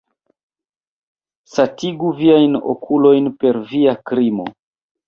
Satigu viajn okulojn per via krimo.